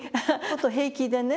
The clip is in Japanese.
平気でね